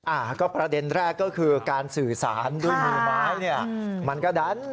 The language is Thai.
อ่าก็ประเด็นแรกก็คือการสื่อสารด้วยมือไม้เนี่ยมันก็ดัน